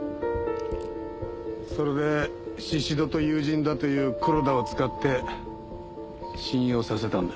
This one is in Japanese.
それで宍戸と友人だという黒田を使って信用させたんだ。